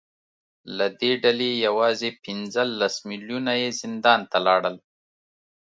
له دې ډلې یوازې پنځلس میلیونه یې زندان ته لاړل